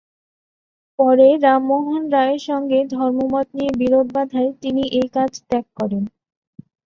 পরে রামমোহন রায়ের সঙ্গে ধর্মমত নিয়ে বিরোধ বাধায় তিনি এই কাজ ত্যাগ করেন।